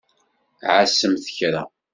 Ɛasemt kra!